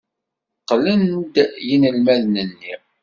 Qqlen-d yinelmaden-nni.